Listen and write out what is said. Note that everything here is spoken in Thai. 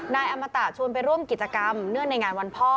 นายอมตะชวนไปร่วมกิจกรรมเนื่องในงานวันพ่อ